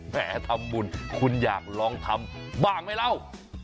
แหมทำบุญคุณอยากลองทำบ้างไหมเล่า